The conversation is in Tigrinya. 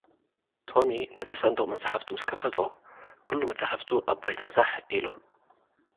ቶሚ ነቲ ሳንዱቕ መጽሓፍቱ ምስ ከፈቶ፡ ኵሉ መጽሓፍቱ ኣብ ባይታ ዛሕ ኢሉ።